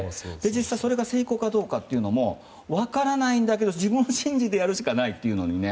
それが成功かどうかというのも分からないけど自分を信じてやるしかないという。